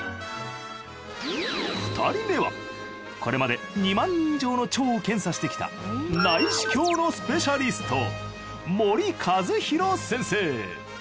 ２人目はこれまで２万人以上の腸を検査してきた内視鏡のスペシャリスト森一博先生。